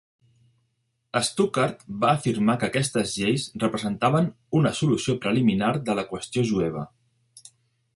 Stuckart va afirmar que aquestes lleis representaven "una solució preliminar de la qüestió jueva".